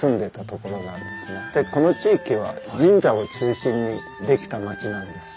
でこの地域は神社を中心にできた町なんです。